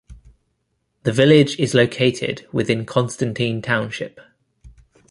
The village is located within Constantine Township.